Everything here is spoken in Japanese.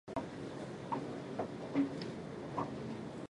パプリカ花が咲いたら、晴れた空に種をまこう